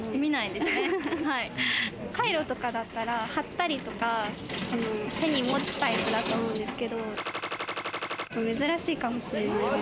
カイロとかだったら貼ったりとか、手に持つタイプだと思うんですけど、珍しいかもしれない。